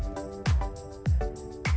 biar nasi di tengahnya kelihatan